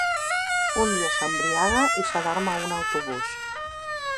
Un dia s’embriaga i s’adorm a un autobús.